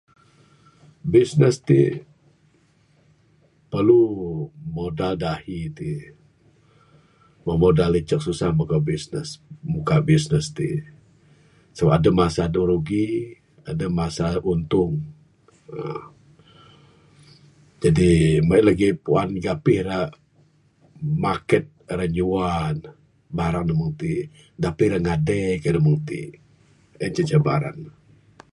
Business ti perlu modal dak ahi ti, wang modal icek susah megau business muka business ti. Sabab deh masa adeh rugi adeh masa untung uhh. Jadi mung en legi puan gepih ira market ira nyua ne barang dak mung ti. Dapih ira ngede keyuh dak mung ti, en ceh cabaran.